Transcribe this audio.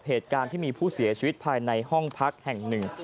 เหตุการณ์ที่มีผู้เสียชีวิตภายในห้องพักแห่งหนึ่ง